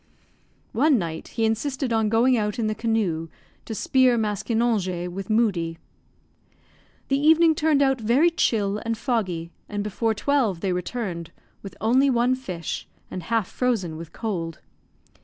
One night he insisted on going out in the canoe to spear maskinonge with Moodie. The evening turned out very chill and foggy, and, before twelve, they returned, with only one fish, and half frozen with cold.